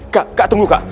kak kak tunggu kak